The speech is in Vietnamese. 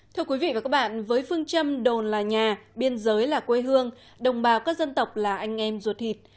thưa quý vị và các bạn với phương châm đồn là nhà biên giới là quê hương đồng bào các dân tộc là anh em ruột thịt